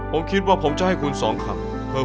ผมคิดว่าผมจะให้คุณ๒คำ